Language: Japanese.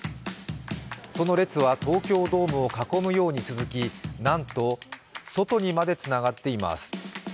その列は、東京ドームを囲むように続き、なんと外にまでつながっています。